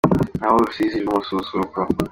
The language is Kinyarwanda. Naho urusizi rw’umususuruko